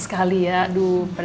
saya sudah tumpang